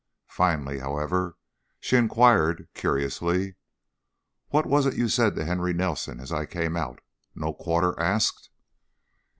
Finally, however, she inquired, curiously: "What was it you said to Henry Nelson as I came out? 'No quarter asked'?"